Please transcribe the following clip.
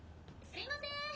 すいませーん！